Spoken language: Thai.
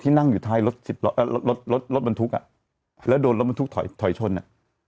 ที่นั่งอยู่ท้ายรถโรทรถรถบรรทุกอ่ะแล้วโดนรถบรรทุกถอยชนอ่ะ